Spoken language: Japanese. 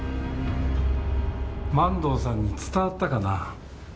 満堂さんに伝わったかな？